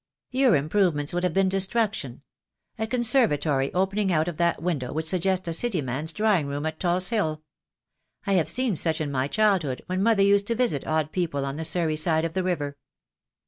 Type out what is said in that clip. "Your improvements would have been destruction. A conservatory opening out of that window would suggest a city man's drawing room at Tulse Hill. I have seen such in my childhood when mother used to visit odd people on the Surrey side of the river."